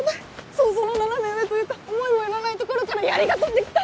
想像の斜め上というか思いも寄らないところからやりが飛んできた！